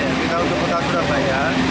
kita lukuh kota surabaya